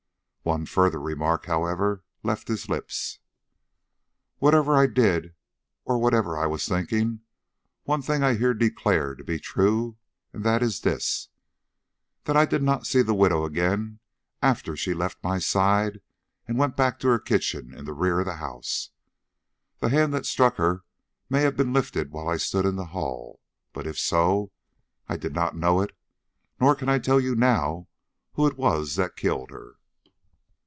One further remark, however, left his lips. "Whatever I did or of whatever I was thinking, one thing I here declare to be true, and that is, that I did not see the widow again after she left my side and went back to her kitchen in the rear of the house. The hand that struck her may have been lifted while I stood in the hall, but if so, I did not know it, nor can I tell you now who it was that killed her."